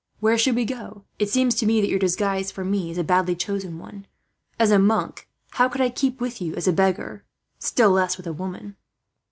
Where should we go? "It seems to me that your disguise for me is a badly chosen one. As a monk, how could I keep with you as a beggar, still less with a woman?"